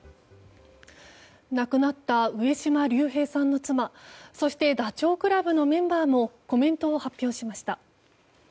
亡くなった上島竜兵さんの妻そしてダチョウ倶楽部のメンバーもコメントを発表しました。